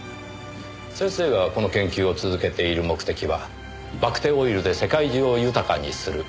先生がこの研究を続けている目的はバクテオイルで世界中を豊かにするでしたね。